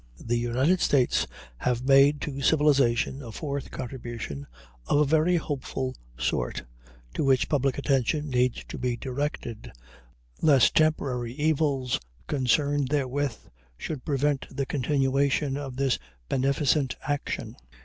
The United States have made to civilization a fourth contribution of a very hopeful sort, to which public attention needs to be directed, lest temporary evils connected therewith should prevent the continuation of this beneficent action.